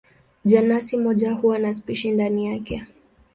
Jenasi moja huwa na spishi ndani yake.